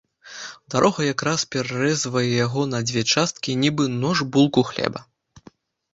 Дарога якраз перарэзвае яго на дзве часткі, нібы нож булку хлеба.